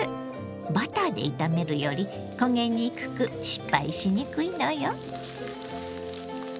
バターで炒めるより焦げにくく失敗しにくいのよ。